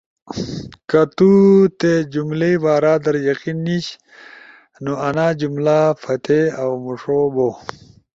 کہ تو تی جملئی بارا در یقین نیِش نو انا جملہ پھاتے اؤ مُݜو بو۔